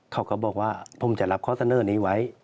เขาก็บอกว่าผมจะรับข้อเสนอนี้ไว้